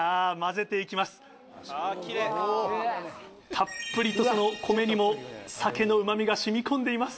たっぷりとその米にも鮭のうま味が染み込んでいます。